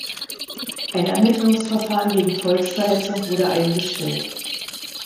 Ein Ermittlungsverfahren wegen Volksverhetzung wurde eingestellt.